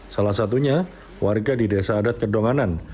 salah satunya warga di desa adat kedonganan